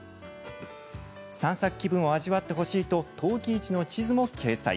散策気分を味わってほしいと陶器市の地図も掲載。